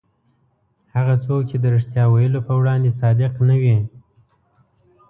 هغه څوک چې د رښتیا ویلو په وړاندې صادق نه وي.